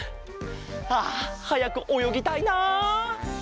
あはやくおよぎたいな！